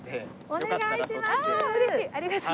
お願いします！